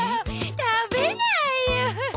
たべないよ。